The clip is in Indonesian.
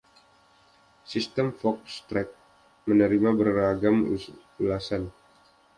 Sistem FoxTrax menerima beragam ulasan.